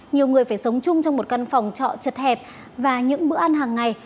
nhiều người phải sống chung trong một căn phòng trọ chật hẹp và những bữa ăn hàng ngày